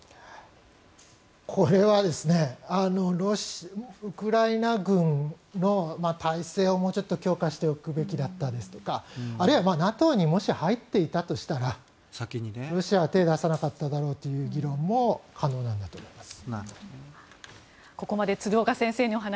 これはウクライナ軍の体制をもうちょっと強化しておくべきだったですとかあるいはＮＡＴＯにもし入っていたとしたらロシアは手を出さなかっただろうという議論も可能なんだと思います。